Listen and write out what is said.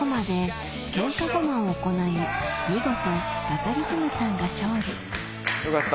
見事バカリズムさんが勝利よかった。